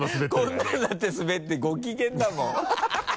こんなんなって滑ってご機嫌だもん